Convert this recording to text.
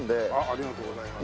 ありがとうございます。